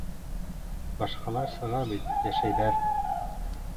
— Башҡалар сыға бит, йәшәйҙәр...